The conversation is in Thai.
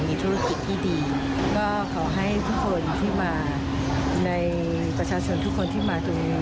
มีธุรกิจที่ดีก็ขอให้ทุกคนที่มาในประชาชนทุกคนที่มาตรงนี้